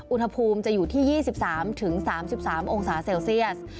อุณหภูมิจะอยู่ที่๒๓๓องศาเซลเซียส